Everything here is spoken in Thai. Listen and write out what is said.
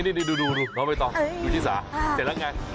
นี่ดูรอไปต่อดูจิศาเสร็จแล้วไง